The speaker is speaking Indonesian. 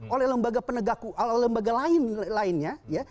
oleh lembaga lainnya ya